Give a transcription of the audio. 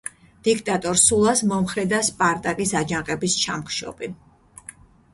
დიქტატორ სულას მომხრე და სპარტაკის აჯანყების ჩამხშობი.